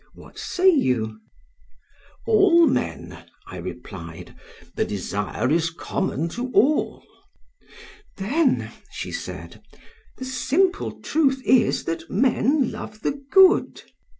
what say you?' "'All men,' I replied; 'the desire is common to all.' "'Then,' she said, 'the simple truth is that men love the good.'